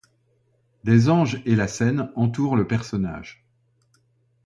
Des anges et la Cène entourent le personnage.